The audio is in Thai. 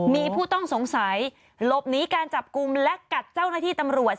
มีผู้ต้องสงสัยหลบหนีการจับกลุ่มและกัดเจ้าหน้าที่ตำรวจ